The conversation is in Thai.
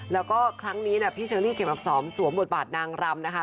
แล้วก็ครั้งนี้เนี่ยพี่เชอรี่เข็มอักษรสวมบทบาทนางรำนะคะ